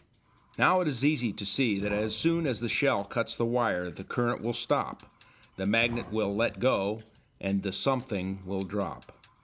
Now it is easy to see that as soon as the shell cuts the wire the current will stop, the magnet will "let go" and the "something" will drop.